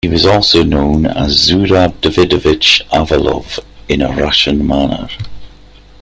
He was also known as Zurab Davidovich Avalov in a Russian manner.